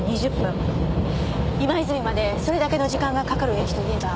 今泉までそれだけの時間がかかる駅といえば？